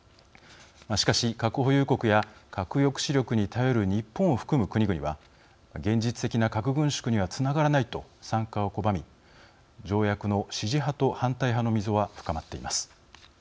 しかし、核保有国や核抑止力に頼る日本を含む国々は現実的な核軍縮につながらないと参加を拒み条約の支持派と反対派の溝は深まっています。